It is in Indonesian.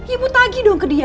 ibu tagi dong ke dia